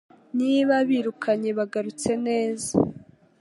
Niba ubirukanye bagarutse neza